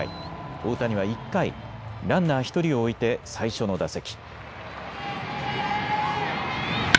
大谷は１回、ランナー１人を置いて最初の打席。